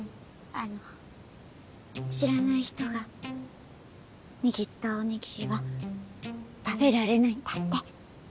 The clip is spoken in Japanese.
あの知らない人が握ったおにぎりは食べられないんだって。